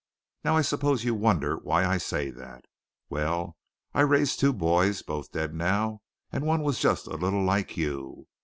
"Now I suppose you wonder why I say that. Well, I raised two boys, both dead now, and one was just a little like you.